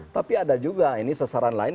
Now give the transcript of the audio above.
tapi ada juga ini sasaran lain